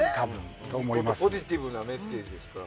ポジティブなメッセージでした。